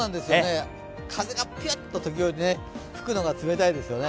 風がピュッと時折、吹くのが冷たいですよね。